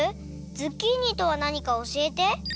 ズッキーニとはなにかおしえて！